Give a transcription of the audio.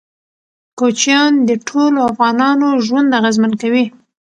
کوچیان د ټولو افغانانو ژوند اغېزمن کوي.